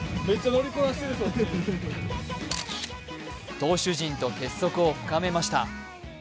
投手陣と結束を深めました。